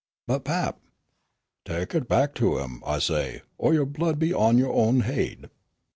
"But, pap " "Tek it back to 'em, I say, or yo' blood be on yo' own haid!"